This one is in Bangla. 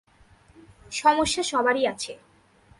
সমস্যা সবারই আছে।